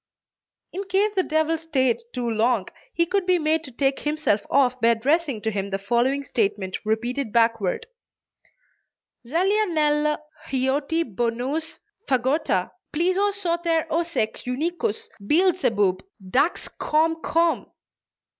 In case the devil staid too long, he could be made to take himself off by addressing to him the following statement, repeated backward: "Zellianelle Heotti Bonus Vagotha Plisos sother osech unicus Beelzebub Dax! Komm! Komm!"